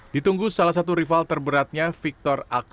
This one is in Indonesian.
ditunggu salah satu rival terberatnya victor aksa